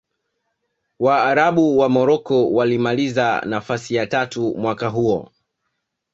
waarabu wa morocco walimaliza nafasi ya tatu mwaka huo